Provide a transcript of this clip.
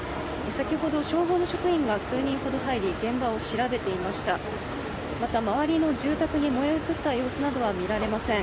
先ほど消防の職員が数人ほど入り現場を調べていました。